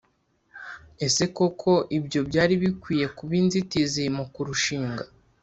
Ese koko ibyo byari bikwiye kuba inzitizi mu kurushinga